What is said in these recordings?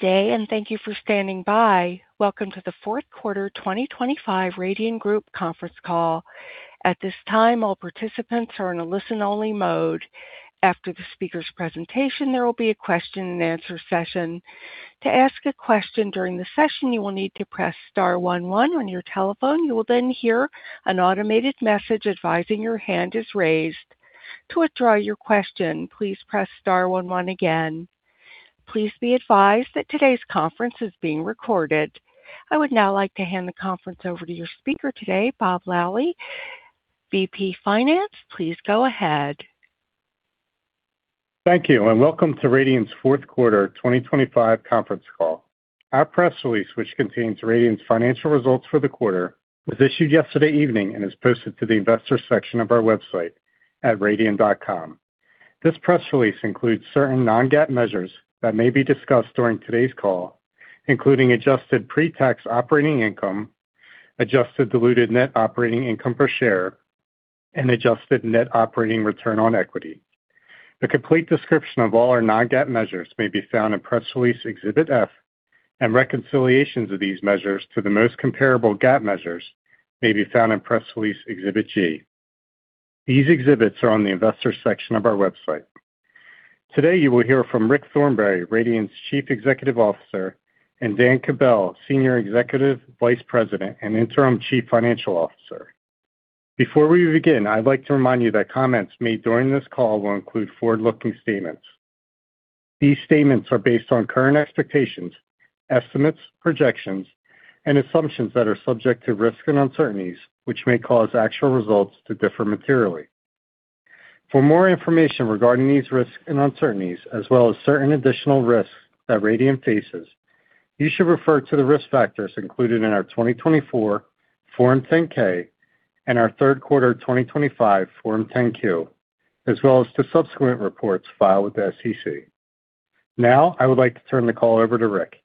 Today, and thank you for standing by. Welcome to the Q4 2025 Radian Group conference call. At this time, all participants are in a listen-only mode. After the speaker's presentation, there will be a question-and-answer session. To ask a question during the session, you will need to press star one one on your telephone. You will then hear an automated message advising your hand is raised. To withdraw your question, please press star one one again. Please be advised that today's conference is being recorded. I would now like to hand the conference over to your speaker today, Bob Lally, VP Finance. Please go ahead. Thank you, and welcome to Radian's fourth quarter 2025 conference call. Our press release, which contains Radian's financial results for the quarter, was issued yesterday evening and is posted to the investor section of our website at radian.com. This press release includes certain non-GAAP measures that may be discussed during today's call, including adjusted pre-tax operating income, adjusted diluted net operating income per share, and adjusted net operating return on equity. The complete description of all our non-GAAP measures may be found in Press Release Exhibit F, and reconciliations of these measures to the most comparable GAAP measures may be found in Press Release Exhibit G. These exhibits are on the investor section of our website. Today, you will hear from Rick Thornberry, Radian's Chief Executive Officer, and Dan Kobell, Senior Executive Vice President and Interim Chief Financial Officer. Before we begin, I'd like to remind you that comments made during this call will include forward-looking statements. These statements are based on current expectations, estimates, projections, and assumptions that are subject to risks and uncertainties, which may cause actual results to differ materially. For more information regarding these risks and uncertainties, as well as certain additional risks that Radian faces, you should refer to the risk factors included in our 2024 Form 10-K and our third quarter 2025 Form 10-Q, as well as to subsequent reports filed with the SEC. Now, I would like to turn the call over to Rick.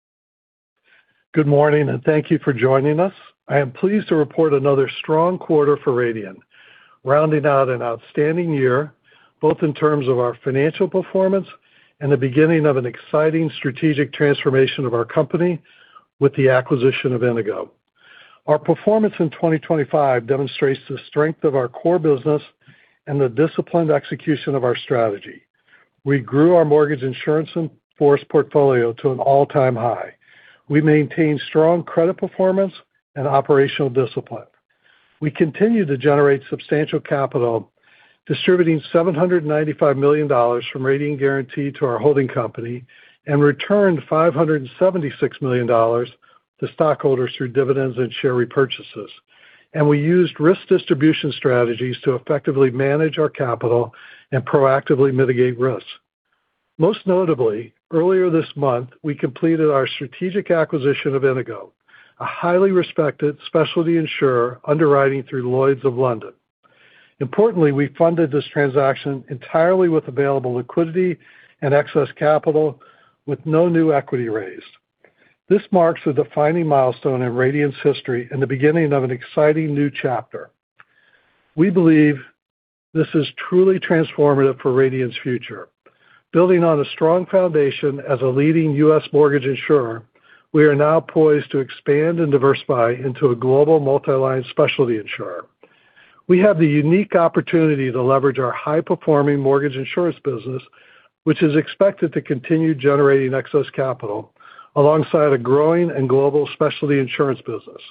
Good morning, and thank you for joining us. I am pleased to report another strong quarter for Radian, rounding out an outstanding year, both in terms of our financial performance and the beginning of an exciting strategic transformation of our company with the acquisition of Inigo. Our performance in 2025 demonstrates the strength of our core business and the disciplined execution of our strategy. We grew our mortgage insurance in force portfolio to an all-time high. We maintained strong credit performance and operational discipline. We continued to generate substantial capital, distributing $795 million from Radian Guaranty to our holding company, and returned $576 million to stockholders through dividends and share repurchases. We used risk distribution strategies to effectively manage our capital and proactively mitigate risks. Most notably, earlier this month, we completed our strategic acquisition of Inigo, a highly respected specialty insurer underwriting through Lloyd's of London. Importantly, we funded this transaction entirely with available liquidity and excess capital, with no new equity raised. This marks a defining milestone in Radian's history and the beginning of an exciting new chapter. We believe this is truly transformative for Radian's future. Building on a strong foundation as a leading U.S. mortgage insurer, we are now poised to expand and diversify into a global multi-line specialty insurer. We have the unique opportunity to leverage our high-performing mortgage insurance business, which is expected to continue generating excess capital alongside a growing and global specialty insurance business.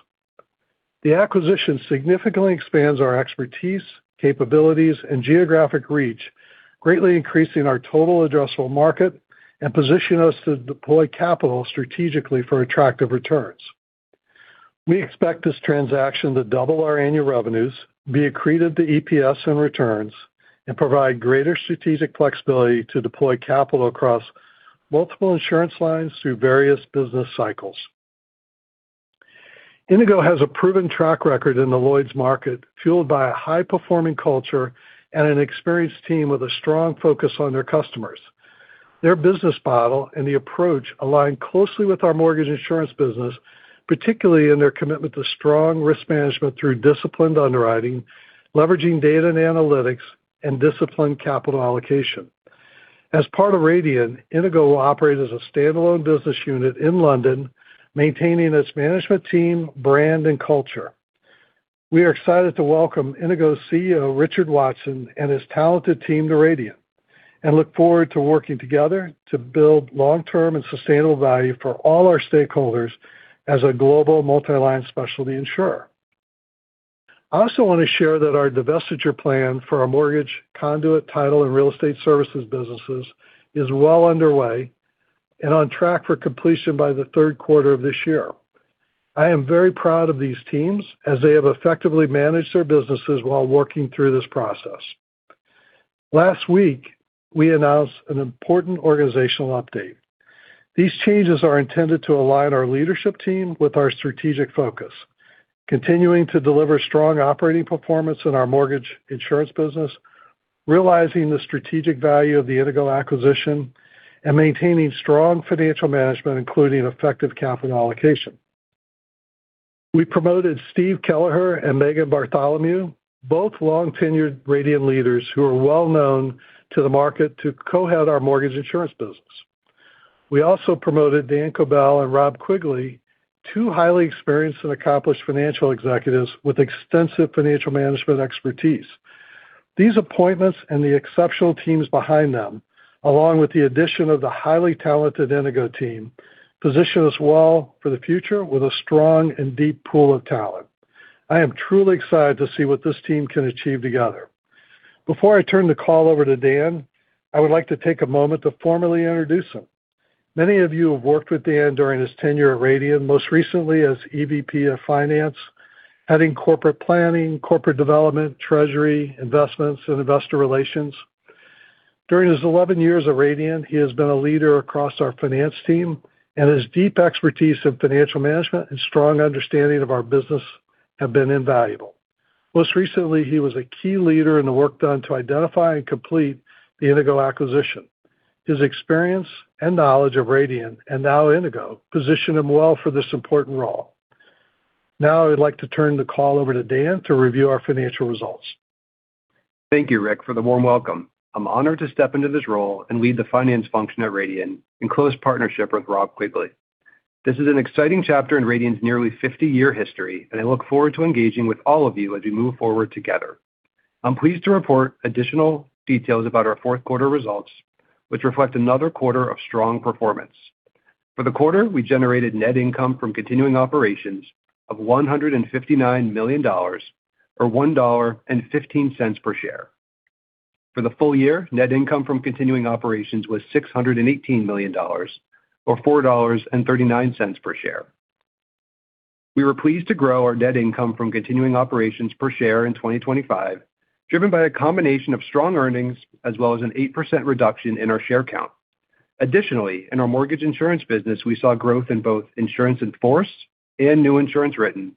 The acquisition significantly expands our expertise, capabilities, and geographic reach, greatly increasing our total addressable market and positioning us to deploy capital strategically for attractive returns. We expect this transaction to double our annual revenues, be accretive to EPS and returns, and provide greater strategic flexibility to deploy capital across multiple insurance lines through various business cycles. Inigo has a proven track record in the Lloyd's market, fueled by a high-performing culture and an experienced team with a strong focus on their customers. Their business model and the approach align closely with our mortgage insurance business, particularly in their commitment to strong risk management through disciplined underwriting, leveraging data and analytics, and disciplined capital allocation. As part of Radian, Inigo will operate as a standalone business unit in London, maintaining its management team, brand, and culture. We are excited to welcome Inigo's CEO, Richard Watson, and his talented team to Radian, and look forward to working together to build long-term and sustainable value for all our stakeholders as a global multi-line specialty insurer. I also want to share that our divestiture plan for our mortgage, conduit, title, and real estate services businesses is well underway and on track for completion by the third quarter of this year. I am very proud of these teams as they have effectively managed their businesses while working through this process. Last week, we announced an important organizational update. These changes are intended to align our leadership team with our strategic focus, continuing to deliver strong operating performance in our mortgage insurance business, realizing the strategic value of the Inigo acquisition, and maintaining strong financial management, including effective capital allocation.... We promoted Steve Keleher and Meghan Bartholomew, both long-tenured Radian leaders who are well known to the market to co-head our mortgage insurance business. We also promoted Dan Kobell and Rob Quigley, two highly experienced and accomplished financial executives with extensive financial management expertise. These appointments and the exceptional teams behind them, along with the addition of the highly talented Inigo team, position us well for the future with a strong and deep pool of talent. I am truly excited to see what this team can achieve together. Before I turn the call over to Dan, I would like to take a moment to formally introduce him. Many of you have worked with Dan during his tenure at Radian, most recently as EVP of Finance, heading corporate planning, corporate development, treasury, investments, and investor relations. During his 11 years at Radian, he has been a leader across our finance team, and his deep expertise in financial management and strong understanding of our business have been invaluable. Most recently, he was a key leader in the work done to identify and complete the Inigo acquisition. His experience and knowledge of Radian, and now Inigo, position him well for this important role. Now, I would like to turn the call over to Dan to review our financial results. Thank you, Rick, for the warm welcome. I'm honored to step into this role and lead the finance function at Radian in close partnership with Rob Quigley. This is an exciting chapter in Radian's nearly 50-year history, and I look forward to engaging with all of you as we move forward together. I'm pleased to report additional details about our fourth quarter results, which reflect another quarter of strong performance. For the quarter, we generated net income from continuing operations of $159 million, or $1.15 per share. For the full year, net income from continuing operations was $618 million, or $4.39 per share. We were pleased to grow our net income from continuing operations per share in 2025, driven by a combination of strong earnings as well as an 8% reduction in our share count. Additionally, in our mortgage insurance business, we saw growth in both insurance in force and new insurance written,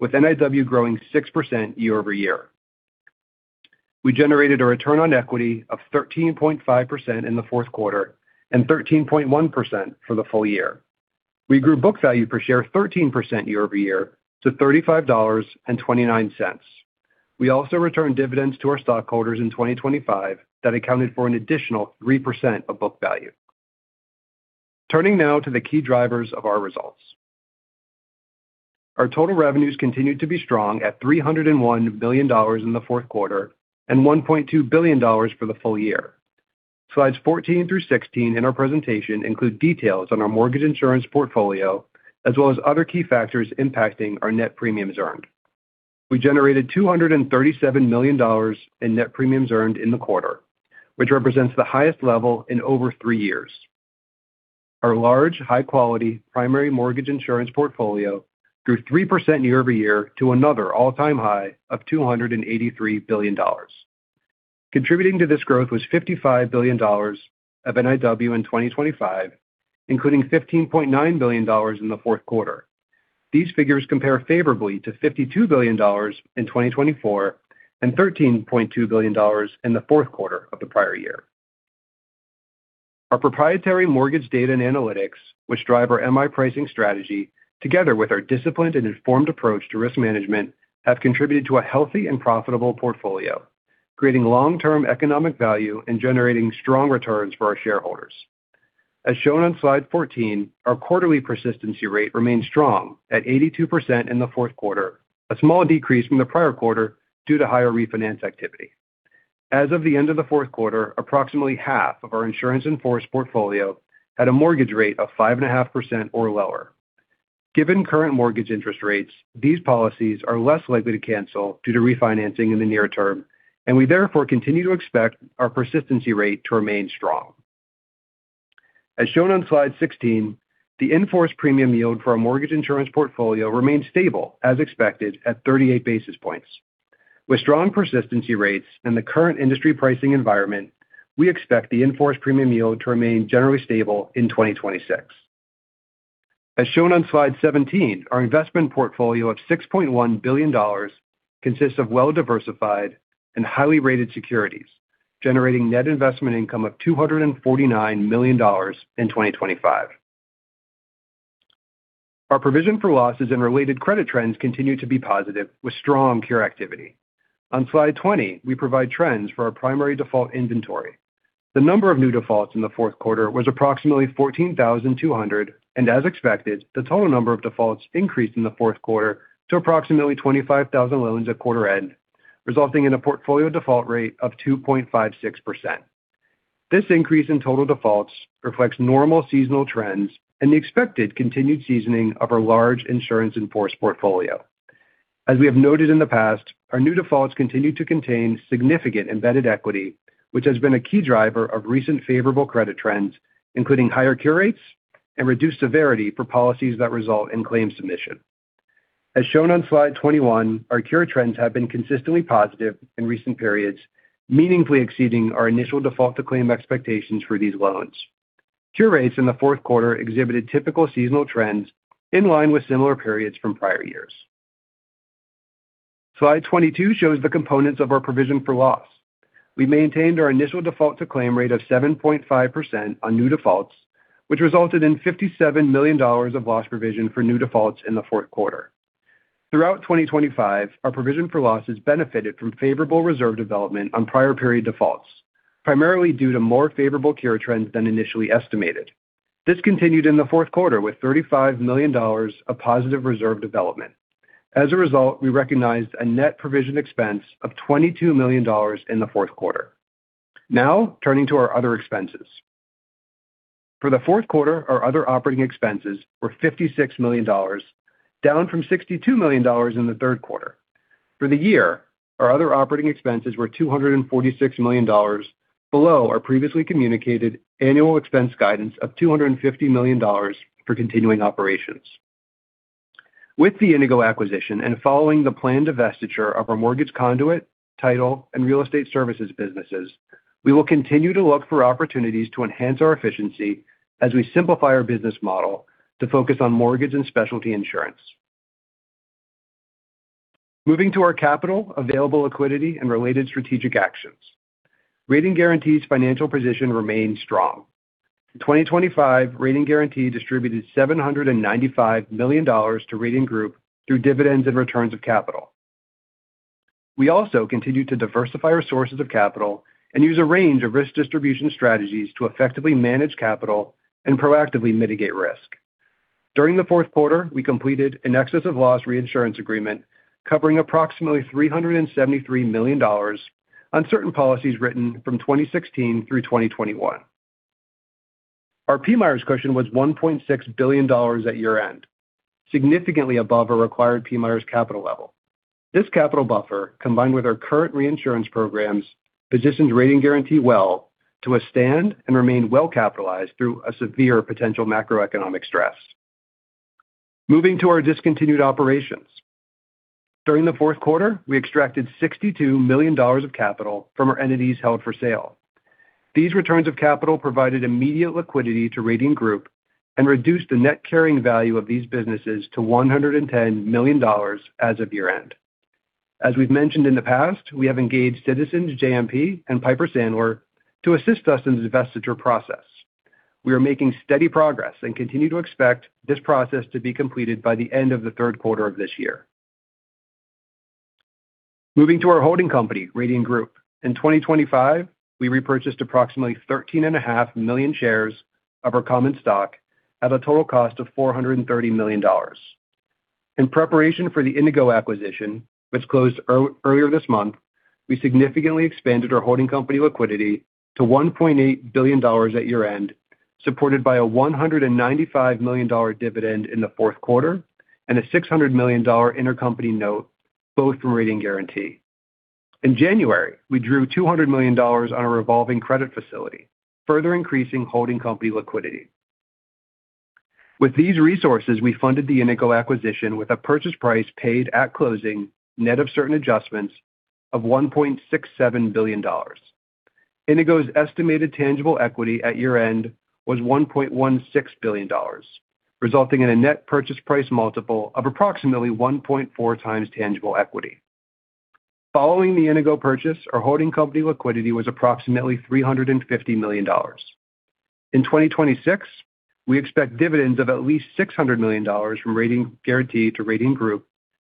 with NIW growing 6% year-over-year. We generated a return on equity of 13.5% in the fourth quarter and 13.1% for the full year. We grew book value per share 13% year-over-year to $35.29. We also returned dividends to our stockholders in 2025 that accounted for an additional 3% of book value. Turning now to the key drivers of our results. Our total revenues continued to be strong at $301 billion in the fourth quarter and $1.2 billion for the full year. Slides 14 through 16 in our presentation include details on our mortgage insurance portfolio, as well as other key factors impacting our net premiums earned. We generated $237 million in net premiums earned in the quarter, which represents the highest level in over three years. Our large, high-quality primary mortgage insurance portfolio grew 3% year-over-year to another all-time high of $283 billion. Contributing to this growth was $55 billion of NIW in 2025, including $15.9 billion in the fourth quarter. These figures compare favorably to $52 billion in 2024 and $13.2 billion in the fourth quarter of the prior year. Our proprietary mortgage data and analytics, which drive our MI pricing strategy, together with our disciplined and informed approach to risk management, have contributed to a healthy and profitable portfolio, creating long-term economic value and generating strong returns for our shareholders. As shown on Slide 14, our quarterly persistency rate remains strong at 82% in the fourth quarter, a small decrease from the prior quarter due to higher refinance activity. As of the end of the fourth quarter, approximately half of our insurance in force portfolio had a mortgage rate of 5.5% or lower. Given current mortgage interest rates, these policies are less likely to cancel due to refinancing in the near term, and we therefore continue to expect our persistency rate to remain strong. As shown on Slide 16, the in-force premium yield for our mortgage insurance portfolio remains stable as expected, at 38 basis points. With strong persistency rates and the current industry pricing environment, we expect the in-force premium yield to remain generally stable in 2026. As shown on Slide 17, our investment portfolio of $6.1 billion consists of well-diversified and highly rated securities, generating net investment income of $249 million in 2025. Our provision for losses and related credit trends continue to be positive, with strong cure activity. On Slide 20, we provide trends for our primary default inventory. The number of new defaults in the fourth quarter was approximately 14,200, and as expected, the total number of defaults increased in the fourth quarter to approximately 25,000 loans at quarter end, resulting in a portfolio default rate of 2.56%. This increase in total defaults reflects normal seasonal trends and the expected continued seasoning of our large insurance in-force portfolio. As we have noted in the past, our new defaults continue to contain significant embedded equity, which has been a key driver of recent favorable credit trends, including higher cure rates and reduced severity for policies that result in claims submission. As shown on Slide 21, our cure trends have been consistently positive in recent periods, meaningfully exceeding our initial default-to-claim expectations for these loans. Cure rates in the fourth quarter exhibited typical seasonal trends in line with similar periods from prior years. Slide 22 shows the components of our provision for loss. We maintained our initial default to claim rate of 7.5% on new defaults, which resulted in $57 million of loss provision for new defaults in the fourth quarter. Throughout 2025, our provision for losses benefited from favorable reserve development on prior period defaults, primarily due to more favorable cure trends than initially estimated. This continued in the fourth quarter with $35 million of positive reserve development. As a result, we recognized a net provision expense of $22 million in the fourth quarter. Now, turning to our other expenses. For the fourth quarter, our other operating expenses were $56 million, down from $62 million in the third quarter. For the year, our other operating expenses were $246 million, below our previously communicated annual expense guidance of $250 million for continuing operations. With the Inigo acquisition and following the planned divestiture of our mortgage conduit, title, and real estate services businesses, we will continue to look for opportunities to enhance our efficiency as we simplify our business model to focus on mortgage and specialty insurance. Moving to our capital, available liquidity, and related strategic actions. Radian Guaranty's financial position remains strong. In 2025, Radian Guaranty distributed $795 million to Radian Group through dividends and returns of capital. We also continued to diversify our sources of capital and use a range of risk distribution strategies to effectively manage capital and proactively mitigate risk. During the fourth quarter, we completed an excess of loss reinsurance agreement, covering approximately $373 million on certain policies written from 2016 through 2021. Our PMIERs cushion was $1.6 billion at year-end, significantly above our required PMIERs capital level. This capital buffer, combined with our current reinsurance programs, positions Radian Guaranty well to withstand and remain well-capitalized through a severe potential macroeconomic stress. Moving to our discontinued operations. During the fourth quarter, we extracted $62 million of capital from our entities held for sale. These returns of capital provided immediate liquidity to Radian Group and reduced the net carrying value of these businesses to $110 million as of year-end. As we've mentioned in the past, we have engaged Citizens JMP and Piper Sandler to assist us in the divestiture process. We are making steady progress and continue to expect this process to be completed by the end of the third quarter of this year. Moving to our holding company, Radian Group. In 2025, we repurchased approximately 13.5 million shares of our common stock at a total cost of $430 million. In preparation for the Inigo acquisition, which closed earlier this month, we significantly expanded our holding company liquidity to $1.8 billion at year-end, supported by a $195 million dividend in the fourth quarter and a $600 million intercompany note, both from Radian Guaranty. In January, we drew $200 million on a revolving credit facility, further increasing holding company liquidity. With these resources, we funded the Inigo acquisition with a purchase price paid at closing, net of certain adjustments of $1.67 billion. Inigo's estimated tangible equity at year-end was $1.16 billion, resulting in a net purchase price multiple of approximately 1.4x tangible equity. Following the Inigo purchase, our holding company liquidity was approximately $350 million. In 2026, we expect dividends of at least $600 million from Radian Guaranty to Radian Group,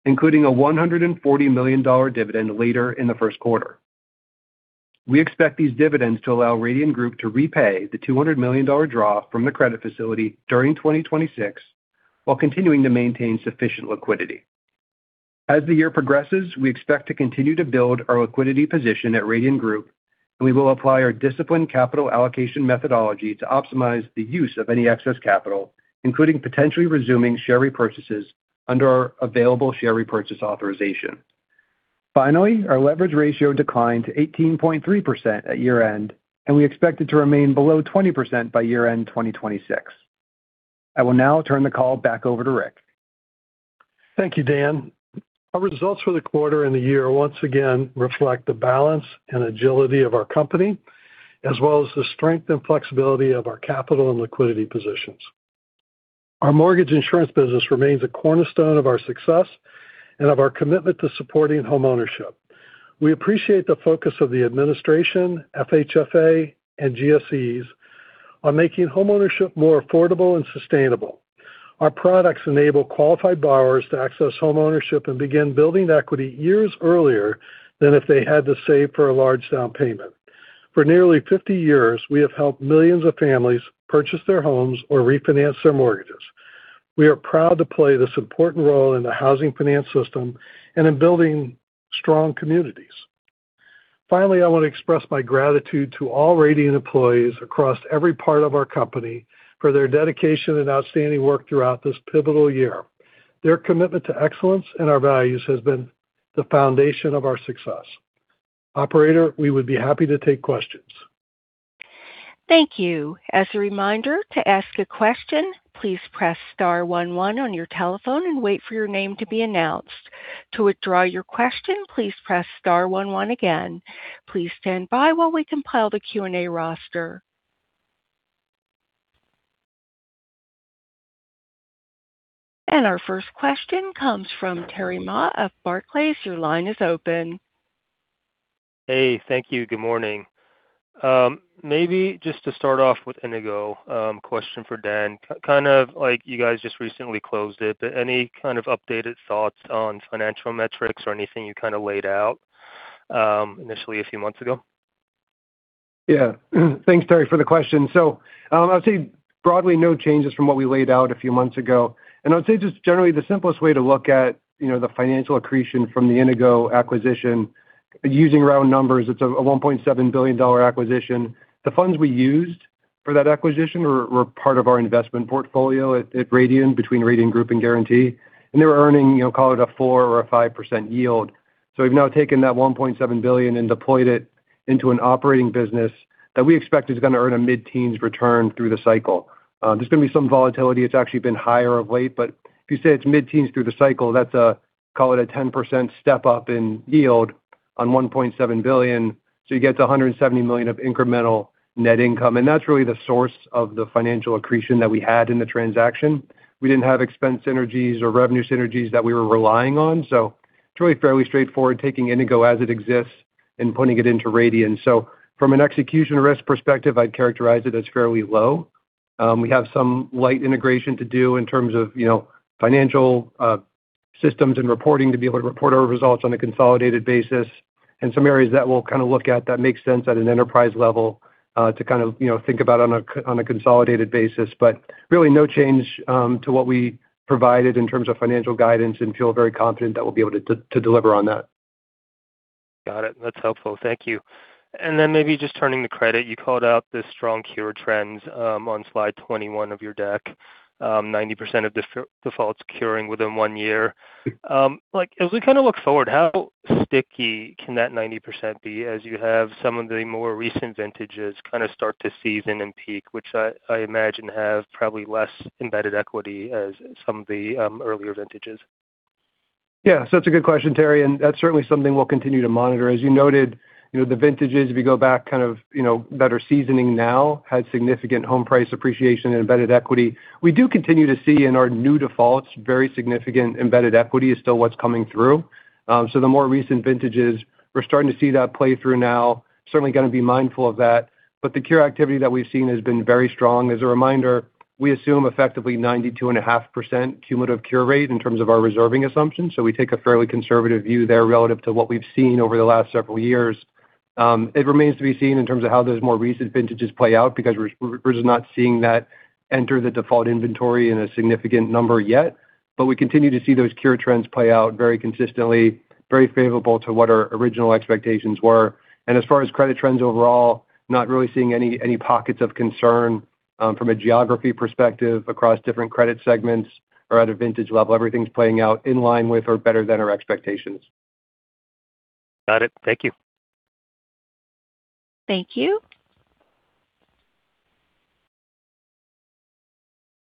including a $140 million dividend later in the first quarter. We expect these dividends to allow Radian Group to repay the $200 million draw from the credit facility during 2026, while continuing to maintain sufficient liquidity. As the year progresses, we expect to continue to build our liquidity position at Radian Group, and we will apply our disciplined capital allocation methodology to optimize the use of any excess capital, including potentially resuming share repurchases under our available share repurchase authorization. Finally, our leverage ratio declined to 18.3% at year-end, and we expect it to remain below 20% by year-end 2026. I will now turn the call back over to Rick. Thank you, Dan. Our results for the quarter and the year once again reflect the balance and agility of our company, as well as the strength and flexibility of our capital and liquidity positions. Our mortgage insurance business remains a cornerstone of our success and of our commitment to supporting homeownership. We appreciate the focus of the administration, FHFA, and GSEs on making homeownership more affordable and sustainable. Our products enable qualified borrowers to access homeownership and begin building equity years earlier than if they had to save for a large down payment. For nearly 50 years, we have helped millions of families purchase their homes or refinance their mortgages. We are proud to play this important role in the housing finance system and in building strong communities. Finally, I want to express my gratitude to all Radian employees across every part of our company for their dedication and outstanding work throughout this pivotal year. Their commitment to excellence and our values has been the foundation of our success. Operator, we would be happy to take questions. Thank you. As a reminder, to ask a question, please press star one one on your telephone and wait for your name to be announced. To withdraw your question, please press star one one again. Please stand by while we compile the Q&A roster. Our first question comes from Terry Ma of Barclays. Your line is open. Hey, thank you. Good morning. Maybe just to start off with Inigo, question for Dan. Kind of like you guys just recently closed it, but any kind of updated thoughts on financial metrics or anything you kind of laid out, initially a few months ago? Yeah. Thanks, Terry, for the question. So, I'd say broadly, no changes from what we laid out a few months ago. And I'd say just generally, the simplest way to look at, you know, the financial accretion from the Inigo acquisition, using round numbers, it's a $1.7 billion acquisition. The funds we used for that acquisition were part of our investment portfolio at Radian, between Radian Group and Guaranty. And they were earning, you know, call it a 4% or 5% yield. So we've now taken that $1.7 billion and deployed it into an operating business that we expect is going to earn a mid-teens return through the cycle. There's going to be some volatility. It's actually been higher of late, but if you say it's mid-teens through the cycle, that's a, call it a 10% step-up in yield on $1.7 billion, so you get to $170 million of incremental net income. That's really the source of the financial accretion that we had in the transaction. We didn't have expense synergies or revenue synergies that we were relying on, so it's really fairly straightforward, taking Inigo as it exists and putting it into Radian. So from an execution risk perspective, I'd characterize it as fairly low. We have some light integration to do in terms of, you know, financial systems and reporting to be able to report our results on a consolidated basis and some areas that we'll kind of look at that makes sense at an enterprise level, to kind of, you know, think about on a consolidated basis. But really, no change to what we provided in terms of financial guidance and feel very confident that we'll be able to deliver on that. Got it. That's helpful. Thank you. Then maybe just turning to credit, you called out the strong cure trends on Slide 21 of your deck. 90% of defaults curing within one year. Like, as we kind of look forward, how sticky can that 90% be, as you have some of the more recent vintages kind of start to season and peak, which I imagine have probably less embedded equity as some of the earlier vintages? Yeah, so that's a good question, Terry, and that's certainly something we'll continue to monitor. As you noted, you know, the vintages, if you go back, kind of, you know, better seasoning now, had significant home price appreciation and embedded equity. We do continue to see in our new defaults, very significant embedded equity is still what's coming through. So the more recent vintages, we're starting to see that play through now. Certainly going to be mindful of that, but the cure activity that we've seen has been very strong. As a reminder, we assume effectively 92.5% cumulative cure rate in terms of our reserving assumptions, so we take a fairly conservative view there relative to what we've seen over the last several years. It remains to be seen in terms of how those more recent vintages play out, because we're just not seeing that enter the default inventory in a significant number yet. But we continue to see those cure trends play out very consistently, very favorable to what our original expectations were. And as far as credit trends overall, not really seeing any pockets of concern from a geography perspective across different credit segments or at a vintage level. Everything's playing out in line with or better than our expectations. Got it. Thank you. Thank you.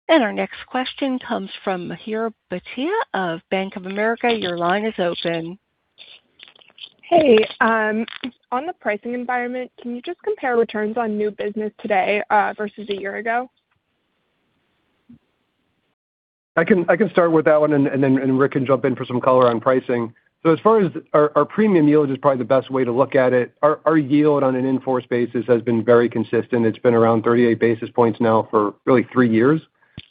Our next question comes from Mihir Bhatia of Bank of America. Your line is open. Hey, on the pricing environment, can you just compare returns on new business today, versus a year ago? I can start with that one, and then Rick can jump in for some color on pricing. So as far as our premium yield is probably the best way to look at it. Our yield on an in-force basis has been very consistent. It's been around 38 basis points now for really three years.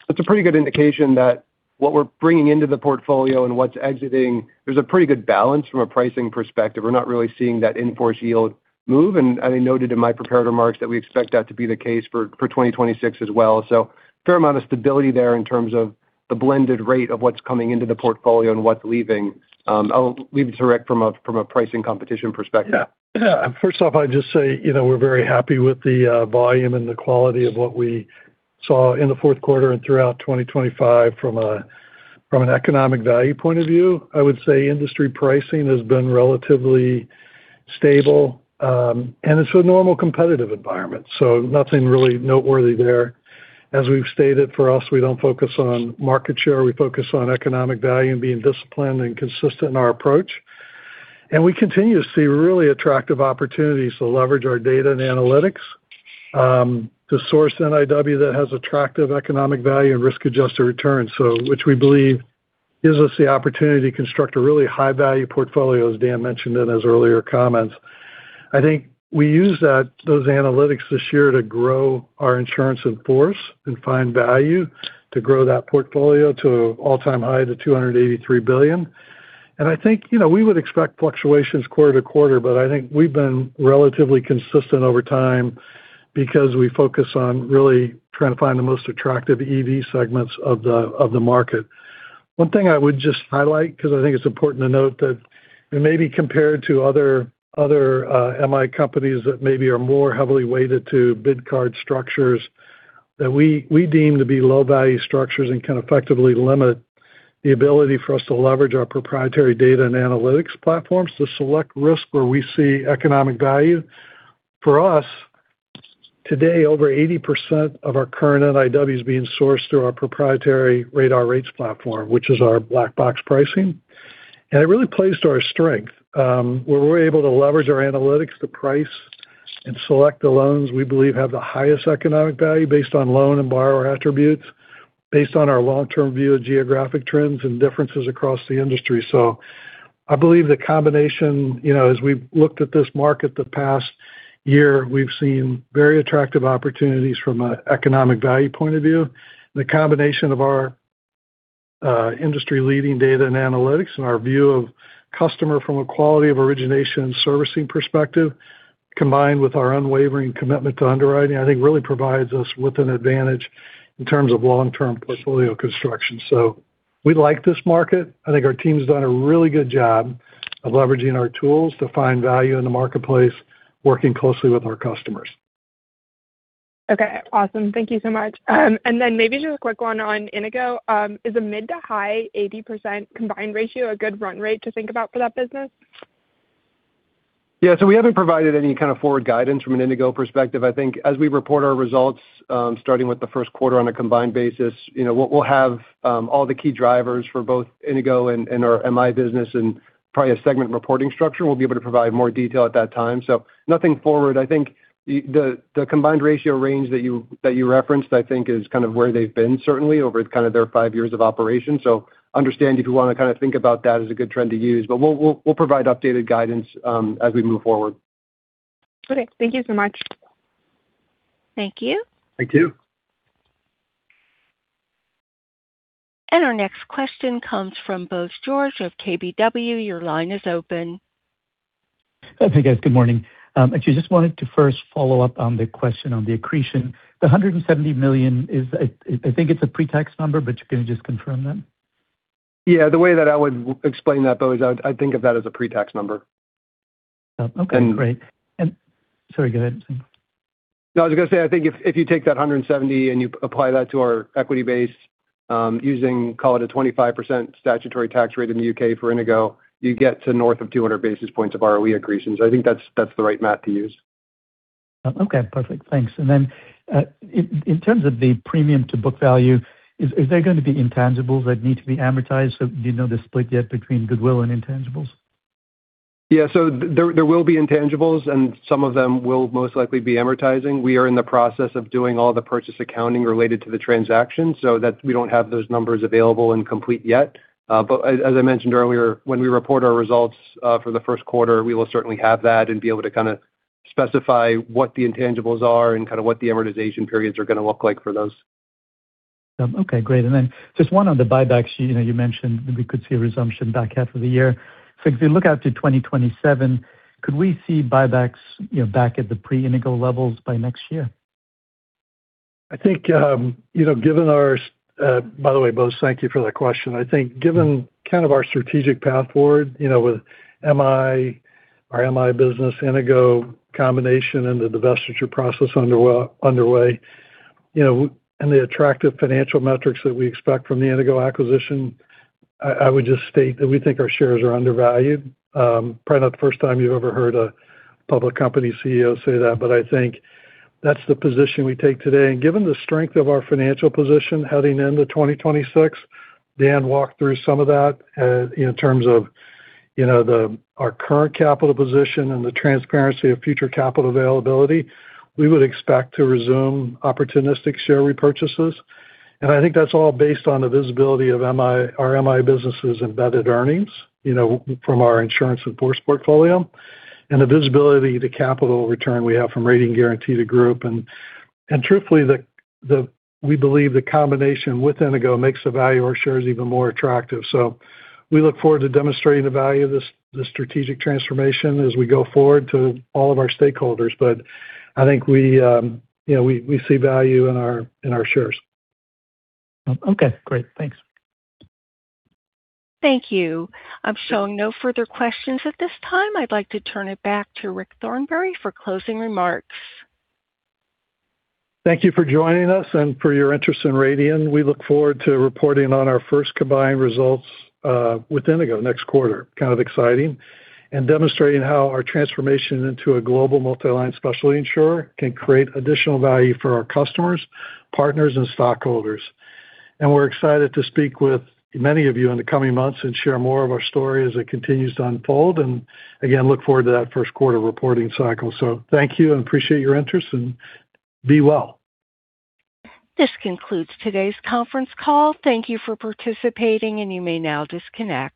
It's a pretty good indication that what we're bringing into the portfolio and what's exiting, there's a pretty good balance from a pricing perspective. We're not really seeing that in-force yield move, and I noted in my prepared remarks that we expect that to be the case for 2026 as well. So a fair amount of stability there in terms of the blended rate of what's coming into the portfolio and what's leaving. I'll leave it to Rick from a pricing competition perspective. Yeah. First off, I'd just say, you know, we're very happy with the volume and the quality of what we saw in the fourth quarter and throughout 2025 from a, from an economic value point of view. I would say industry pricing has been relatively stable, and it's a normal competitive environment, so nothing really noteworthy there. As we've stated, for us, we don't focus on market share. We focus on economic value and being disciplined and consistent in our approach. And we continue to see really attractive opportunities to leverage our data and analytics, to source NIW that has attractive economic value and risk-adjusted returns, so which we believe gives us the opportunity to construct a really high-value portfolio, as Dan mentioned in his earlier comments. I think we used those analytics this year to grow our insurance in force and find value to grow that portfolio to an all-time high to $283 billion. And I think, you know, we would expect fluctuations quarter to quarter, but I think we've been relatively consistent over time because we focus on really trying to find the most attractive EV segments of the market. One thing I would just highlight, because I think it's important to note, that it may be compared to other MI companies that maybe are more heavily weighted to bid card structures that we deem to be low-value structures and can effectively limit the ability for us to leverage our proprietary data and analytics platforms to select risk where we see economic value. For us, today, over 80% of our current NIW is being sourced through our proprietary Radian Rates platform, which is our black box pricing. It really plays to our strength, where we're able to leverage our analytics to and select the loans we believe have the highest economic value based on loan and borrower attributes, based on our long-term view of geographic trends and differences across the industry. So I believe the combination, you know, as we've looked at this market the past year, we've seen very attractive opportunities from an economic value point of view. The combination of our industry-leading data and analytics, and our view of customer from a quality of origination and servicing perspective, combined with our unwavering commitment to underwriting, I think, really provides us with an advantage in terms of long-term portfolio construction. So we like this market. I think our team's done a really good job of leveraging our tools to find value in the marketplace, working closely with our customers. Okay, awesome. Thank you so much. And then maybe just a quick one on Inigo. Is a mid- to high-80% combined ratio a good run rate to think about for that business? Yeah, so we haven't provided any kind of forward guidance from an Inigo perspective. I think as we report our results, starting with the first quarter on a combined basis, you know, we'll have all the key drivers for both Inigo and our MI business and probably a segment reporting structure. We'll be able to provide more detail at that time. So nothing forward. I think the combined ratio range that you referenced, I think is kind of where they've been certainly over kind of their five years of operation. So understand if you wanna kind of think about that as a good trend to use, but we'll provide updated guidance as we move forward. Great. Thank you so much. Thank you. Thank you. Our next question comes from Bose George of KBW. Your line is open. Hey, guys, good morning. I just wanted to first follow up on the question on the accretion. The $170 million is, I think it's a pre-tax number, but you can just confirm that? Yeah, the way that I would explain that, Bose, I think of that as a pre-tax number. Oh, okay, great. And- Sorry, go ahead. No, I was gonna say, I think if, if you take that 170 and you apply that to our equity base, using, call it a 25% statutory tax rate in the U.K. for Inigo, you get to north of 200 basis points of ROE accretion. So I think that's, that's the right math to use. Okay, perfect. Thanks. And then, in terms of the premium to book value, is there gonna be intangibles that need to be amortized? So do you know the split yet between goodwill and intangibles? Yeah, so there will be intangibles, and some of them will most likely be amortizing. We are in the process of doing all the purchase accounting related to the transaction so that we don't have those numbers available and complete yet. But as I mentioned earlier, when we report our results for the first quarter, we will certainly have that and be able to kinda specify what the intangibles are and kind of what the amortization periods are gonna look like for those. Okay, great. And then just one on the buybacks. You know, you mentioned that we could see a resumption back half of the year. So if we look out to 2027, could we see buybacks, you know, back at the pre-Inigo levels by next year? I think, you know, given our... By the way, Bose, thank you for that question. I think given kind of our strategic path forward, you know, with MI, our MI business, Inigo combination, and the divestiture process underway, you know, and the attractive financial metrics that we expect from the Inigo acquisition, I would just state that we think our shares are undervalued. Probably not the first time you've ever heard a public company CEO say that, but I think that's the position we take today. And given the strength of our financial position heading into 2026, Dan walked through some of that, in terms of, you know, the, our current capital position and the transparency of future capital availability, we would expect to resume opportunistic share repurchases. And I think that's all based on the visibility of MI, our MI business's embedded earnings, you know, from our insurance in force portfolio, and the visibility to capital return we have from Radian Guaranty, the group. And truthfully, we believe the combination with Inigo makes the value of our shares even more attractive. So we look forward to demonstrating the value of this, the strategic transformation as we go forward to all of our stakeholders. But I think we, you know, we see value in our shares. Okay, great. Thanks. Thank you. I'm showing no further questions at this time. I'd like to turn it back to Rick Thornberry for closing remarks. Thank you for joining us and for your interest in Radian. We look forward to reporting on our first combined results with Inigo next quarter, kind of exciting, and demonstrating how our transformation into a global multi-line specialty insurer can create additional value for our customers, partners, and stockholders. We're excited to speak with many of you in the coming months and share more of our story as it continues to unfold, and again, look forward to that first quarter reporting cycle. So thank you and appreciate your interest, and be well. This concludes today's conference call. Thank you for participating, and you may now disconnect.